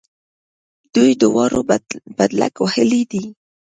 دوی دواړو بدلک وهلی دی.